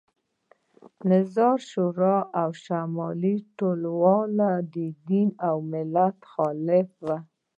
نظار شورا او شمال ټلواله د دین او ملت مخالف وو